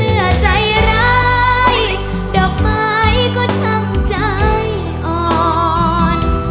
ผีเสือใจร้ายดกไมล์ก็ทำใจอ่อน